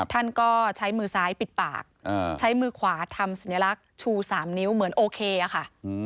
ท่านก็ใช้มือซ้ายปิดปากใช้มือขวาทำสัญลักษณ์ชู๓นิ้วเหมือนโอเคค่ะ